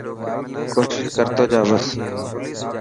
ڪوشش ڪر تو جا بس.